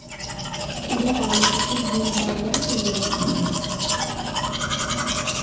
তিনি কর্ণাটকের গুলবার্গায় চলে যান।